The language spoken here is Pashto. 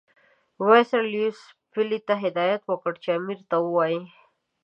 وایسرا لیویس پیلي ته هدایت ورکړ چې امیر ته ووایي.